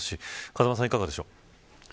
風間さん、いかがでしょうか。